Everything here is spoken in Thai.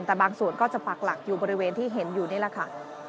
แต่บางส่วนก็จะปากหลักอยู่บริเวณที่เห็นอยู่นี่แหละค่ะ